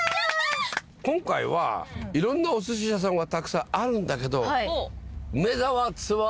今回はいろんなお寿司屋さんがたくさんあるんだけど。